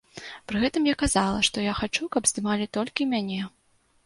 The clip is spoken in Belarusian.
Пры гэтым я казала, што я хачу, каб здымалі толькі мяне.